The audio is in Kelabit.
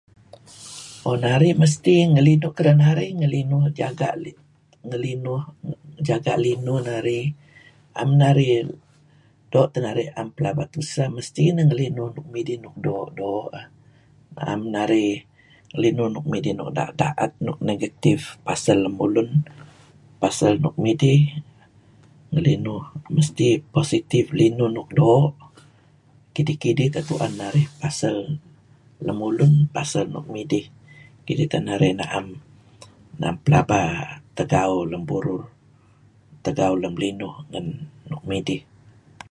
Oh narih mesti narih ngelinuh kapeh narih jaga' linuh narih na'em narih doo' teh narih 'am pelaba tuseh, mesti narih ngelinuh nuk midih nuk doo'-doo'. Na'em narih ngelinuh nuk midih nuk da'et-da'et negative pasel lemulun, pasel nuk midih ngelinuh mesti positive linuh nuk doo' kidih-kidih tu'en narih pasel lemulun pasel nuk midih kidih teh narih na'em na'em pelaba tegao lem burur, tegao lem linuh ngan nuk midih.